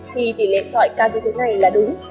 thì tỷ lệ trọi cao như thế này là đúng